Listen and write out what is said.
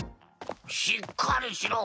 しっかりしろ。